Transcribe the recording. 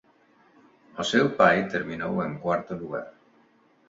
O seu pai terminou en cuarto lugar.